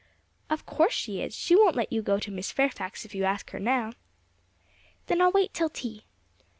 'Of course she is; she won't let you go to Miss Fairfax if you ask her now.' 'Then I'll wait till tea.'